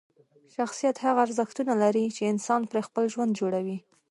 شخصیت هغه ارزښتونه لري چې انسان پرې خپل ژوند جوړوي.